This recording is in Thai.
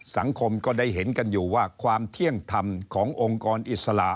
สังคมก็ได้เห็นกันอยู่ว่าความเที่ยงธรรมขององค์กรอิสระ